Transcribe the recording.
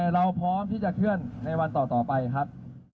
เราพร้อมที่จะเคลื่อนในวันต่อไปครับ